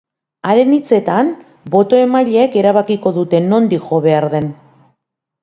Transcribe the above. Haren hitzetan, boto-emaileek erabakiko dute nondik jo behar den.